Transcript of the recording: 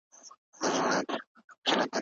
د درسي موادو په بازار کي د بیو کنټرول شتون لري؟